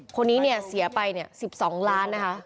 คนนี้เนี่ยเสียไป๑๒ล้านนะคะ